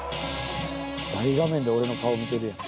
大画面で俺の顔見てるやん。